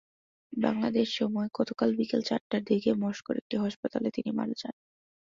বাংলাদেশ সময় গতকাল বিকেল চারটার দিকে মস্কোর একটি হাসপাতালে তিনি মারা যান।